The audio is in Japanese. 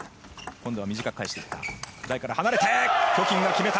今度は短く返していった。